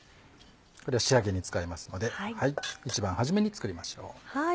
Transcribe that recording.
これは仕上げに使いますので一番初めに作りましょう。